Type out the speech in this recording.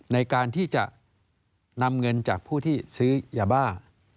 ในการที่จะนำเงินจากผู้ที่ซื้อยาบ้า